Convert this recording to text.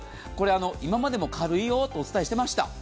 今までも軽いよとお伝えしてきました。